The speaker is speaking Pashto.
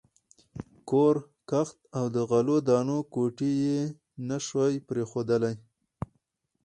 کور، کښت او د غلو دانو کوټې یې نه شوای پرېښودلای.